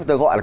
tôi gọi là